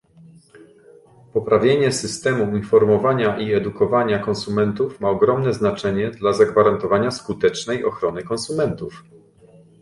Poprawienie systemu informowania i edukowania konsumentów ma ogromne znaczenie dla zagwarantowania skutecznej ochrony konsumentów